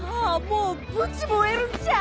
もうブチ燃えるんちゃ！